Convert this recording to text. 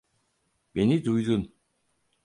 Beni duydun.